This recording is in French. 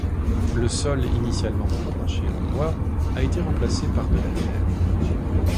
Le sol, initialement un plancher en bois, a été remplacé par de la terre.